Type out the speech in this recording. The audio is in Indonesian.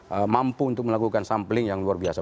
mereka mampu untuk melakukan sampling yang luar biasa